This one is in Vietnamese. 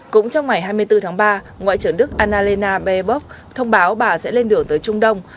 cũng trong ngày hai mươi bốn tháng ba ngoại trưởng đức annalena barbock thông báo bà sẽ lên đường tới trung đông